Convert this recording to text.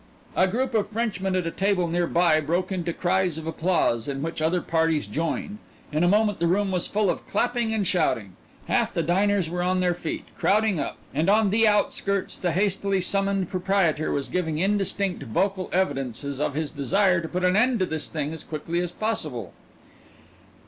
A group of Frenchmen at a table near by broke into cries of applause, in which other parties joined in a moment the room was full of clapping and shouting; half the diners were on their feet, crowding up, and on the outskirts the hastily summoned proprietor was giving indistinct vocal evidences of his desire to put an end to this thing as quickly as possible.